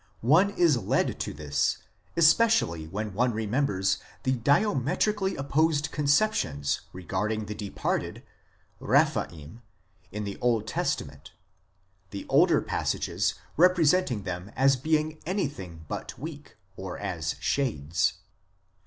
One is led to this especially when one remembers the diametrically opposed conceptions regard ing the departed (Rephaim) in the Old Testament, the older passages representing them as being anything but " weak " or as " shades."